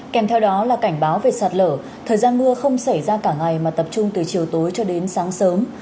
kèm theo đó là cảnh báo về sạt lở thời gian mưa không xảy ra cả ngày mà tập trung từ chiều tối cho đến sáng sớm